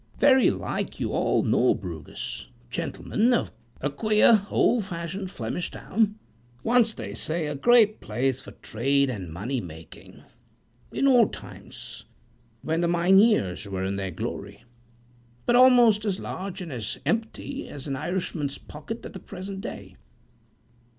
Very like you all know Bruges, gentlemen, a queer, old fashioned Flemish town, once they say a great place for trade and money making, in old times, when the Mynheers were in their glory; but almost as large and as empty as an Irishman's pocket at the present day.